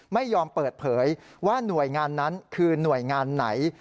ไม่ยอมเปิดเผยว่าหน่วยงานนั้นคือหน่วยงานไหน